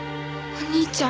お兄ちゃん。